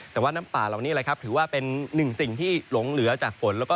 แต่ว่าน้ำป่าเหล่านี้คือหนึ่งสิ่งที่หลงเหลือจากผล